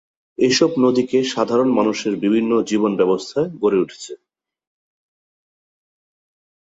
এসব নদীকে সাধারণ মানুষের বিভিন্ন জীবন ব্যবস্থা গড়ে উঠেছে।